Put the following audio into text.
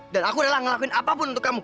dan aku adalah ngelakuin apapun untuk kamu